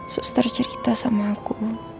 suster cerita sama aku